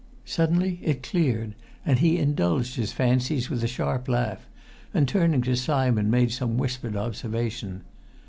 Suddenly it cleared, and he indulged his fancies with a sharp laugh, and turning to Simon made some whispered observation.